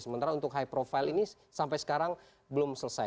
sementara untuk high profile ini sampai sekarang belum selesai